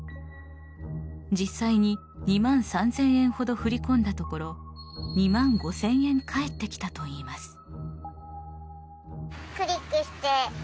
実際に２万３０００円ほど振り込んだところ２万５０００円返ってきたといいます。